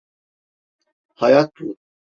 Hayat bu.